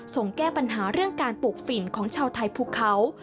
แก้ปัญหาเรื่องการปลูกฝิ่นของชาวไทยภูเขา